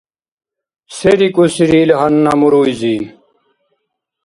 Се рикӀусири ил гьанна муруйзи?